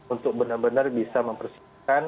untuk benar benar bisa mempersiapkan